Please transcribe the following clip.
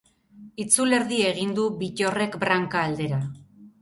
Itzulerdi egin du Bittorrek branka aldera.